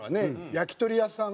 焼き鳥屋さん